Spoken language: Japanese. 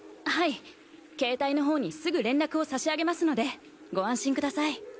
はい携帯の方にすぐ連絡を差し上げますのでご安心ください。